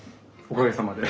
おかげさまで。